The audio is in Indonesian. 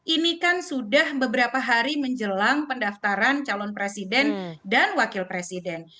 ini kan sudah beberapa hari menjelang pendaftaran calon presiden dan wakil presiden